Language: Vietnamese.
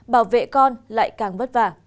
bảo vệ con lại càng bất vả